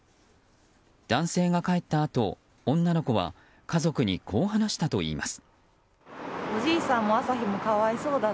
男性が帰ったあと、女の子は家族に、こう話したといいます。